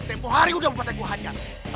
tempoh hari udah mempertengguhannya